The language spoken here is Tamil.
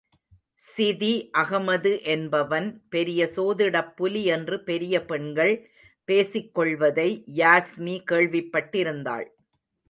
சிதி அகமது என்பவன் பெரிய சோதிடப்புலி என்று பெரிய பெண்கள் பேசிக் கொள்வதை யாஸ்மி கேள்விப்பட்டிருந்தாள்.